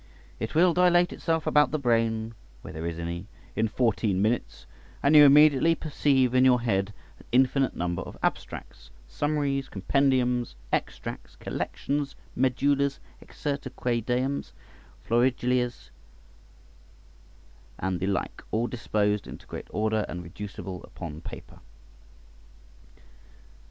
It will dilate itself about the brain (where there is any) in fourteen minutes, and you immediately perceive in your head an infinite number of abstracts, summaries, compendiums, extracts, collections, medullas, excerpta quædams, florilegias and the like, all disposed into great order and reducible upon paper.